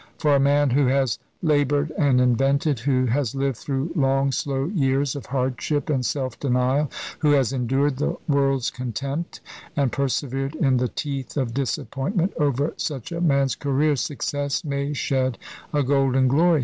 For a man who has laboured and invented, who has lived through long, slow years of hardship and self denial, who has endured the world's contempt, and persevered in the teeth of disappointment, over such a man's career success may shed a golden glory.